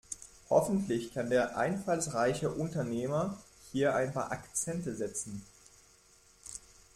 Hoffentlich kann der einfallsreiche Unternehmer hier ein paar Akzente setzen.